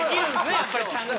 やっぱりちゃんと。